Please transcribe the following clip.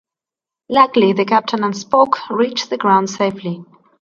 Luckily, the Captain and Spock reach the ground safely.